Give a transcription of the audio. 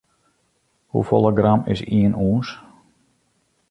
Hoefolle gram is ien ûns?